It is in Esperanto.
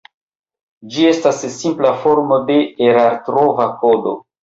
Ĝi estas simpla formo de erartrova kodo.